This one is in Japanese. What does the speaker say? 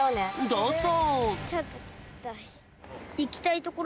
どうぞ！